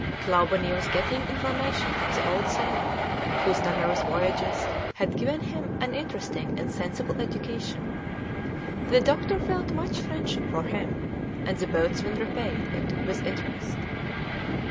Clawbonny was getting information from the old sailor, whose numerous voyages had given him an interesting and sensible education. The doctor felt much friendship for him, and the boatswain repaid it with interest.